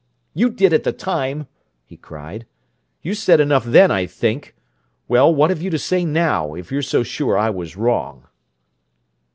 "You did at the time!" he cried. "You said enough then, I think! Well, what have you to say now, if you're so sure I was wrong?"